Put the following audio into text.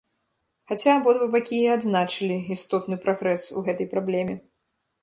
Хаця абодва бакі і адзначылі істотны прагрэс у гэтай праблеме.